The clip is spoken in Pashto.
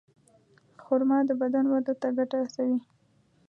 خرما د بدن وده ته ګټه رسوي.